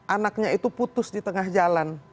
anaknya itu putus di tengah jalan